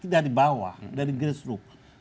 dari bawah dari gerisru